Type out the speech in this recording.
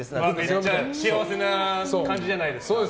めっちゃ幸せな感じじゃないですか。